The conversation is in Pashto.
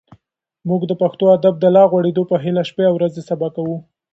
موږ د پښتو ادب د لا غوړېدو په هیله شپې او ورځې سبا کوو.